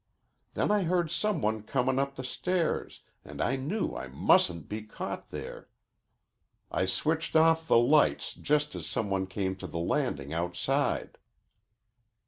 Then I heard some one comin' up the stairs, and I knew I mustn't be caught there. I switched off the lights just as some one came to the landing outside."